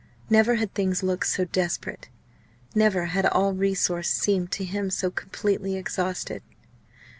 Never had things looked so desperate; never had all resource seemed to him so completely exhausted.